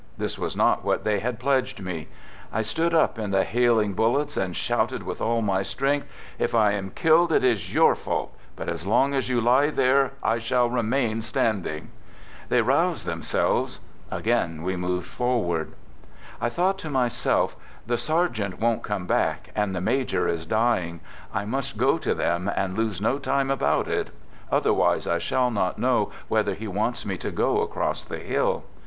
This was not i what they had pledged me. I stood up in the hail ; ing bullets and shouted with all my strength :" If j I am killed, it is your fault! — But as long as you ( lie there, I shall remain standing !"... They roused themselves; again we moved for i ward. .,. THE GOOD SOLDIER" 15 I thought to myself: The sergeant won't come back and the major is dying. I must go to them and lose no time about it, otherwise I shall not know whether he wants me to go across the hill.